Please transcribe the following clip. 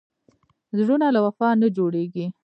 زړونه له وفا نه جوړېږي.